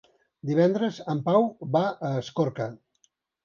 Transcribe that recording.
Divendres en Pau va a Escorca.